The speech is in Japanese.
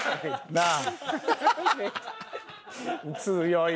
なあ？